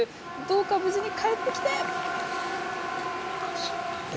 どうか無事に帰ってきて！